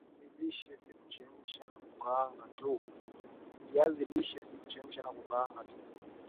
viazi lishe si kuchemsha na kukaanga tu